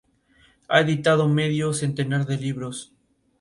Es conocida por sus bodegones de fruta y flores.